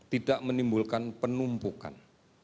tidak menimbulkan penumpukan